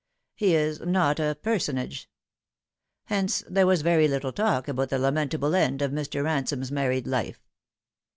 He is not a personage. Hence there was very little talk about the lament able end of Mr. Ransome's married life.